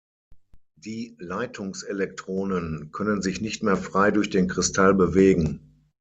Die Leitungselektronen können sich nicht mehr frei durch den Kristall bewegen.